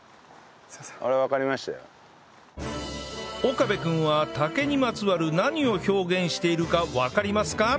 岡部君は竹にまつわる何を表現しているかわかりますか？